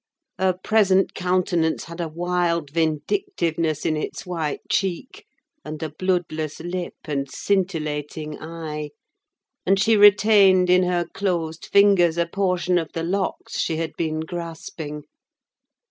Her present countenance had a wild vindictiveness in its white cheek, and a bloodless lip and scintillating eye; and she retained in her closed fingers a portion of the locks she had been grasping.